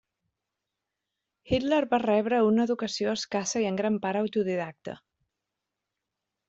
Hitler va rebre una educació escassa i en gran part autodidacta.